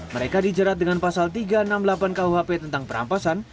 mereka dijerat dengan pasal tiga ratus enam puluh delapan kuhp tentang perampasan